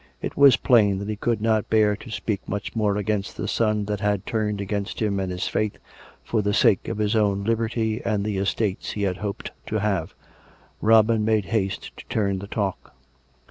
It was plain that he could not bear to speak much more against the son that had turned against him and his Faith, for the sake of his own liberty and the estates he had hoped to have. Robin made haste to turn the talk.